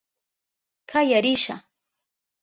Kaya risha.